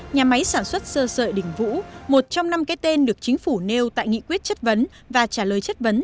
nhà máy sản xuất sơ sợi đình vũ một trong năm cái tên được chính phủ nêu tại nghị quyết chất vấn và trả lời chất vấn